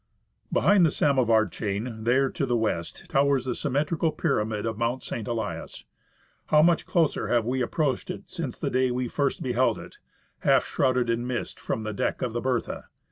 Behind the Samovar chain, there, to the west, towers the symmetrical pyramid of Mount St. Elias. How much closer have we approached it since the day we first beheld it, half shrouded in mist, from the deck of the Bertha